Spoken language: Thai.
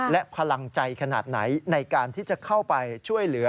และพลังใจขนาดไหนในการที่จะเข้าไปช่วยเหลือ